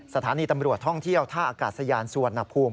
สถานีตำรวจท่องเที่ยวท่าอากาศยานสุวรรณภูมิ